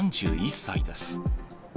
３１歳です。